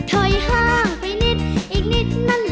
ชักชัก